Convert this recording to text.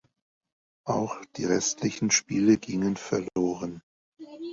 Auch die restlichen Spiele gingen verloren.